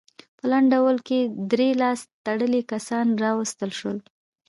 په لنډ وخت کې درې لاس تړلي کسان راوستل شول.